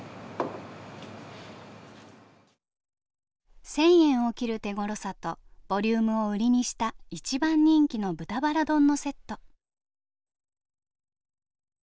１，０００円を切る手ごろさとボリュームを売りにした一番人気の豚バラ丼のセット。